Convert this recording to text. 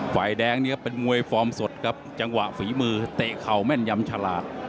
ฝ่ายแดงเนี่ยเป็นมวยฟอร์มสดครับจังหวะฝีมือเตะเข่าแม่นยำฉลาด